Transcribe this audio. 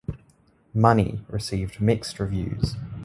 "Money" received mixed reviews.